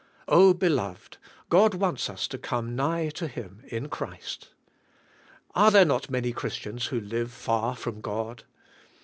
Oh ! beloved, God wants us to come nig h to Him in Christ. Are there not many Christians who live far from God?